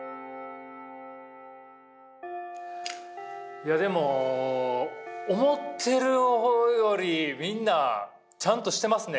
いやでも思ってるよりみんなちゃんとしてますね。